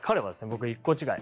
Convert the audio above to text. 僕と１個違い。